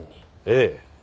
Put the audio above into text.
ええ。